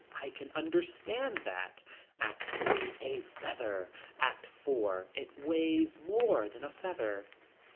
I can understand that. ACT III. A feather. ACT IV. It weighs more than a feather.